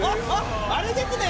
あれですね？